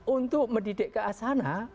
untuk mendidik ke asana